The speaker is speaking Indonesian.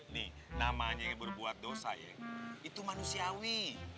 nih namanya berbuat dosa ya itu manusiawi